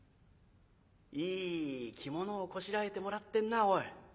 いい着物をこしらえてもらってんなぁおい。